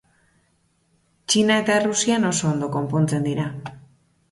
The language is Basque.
Txina eta Errusia oso ondo konpontzen dira.